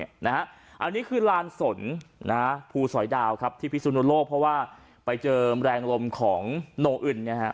อันนี้คือลานสนภูสอยดาวครับที่พิสุนโลกเพราะว่าไปเจอแรงลมของโนอึน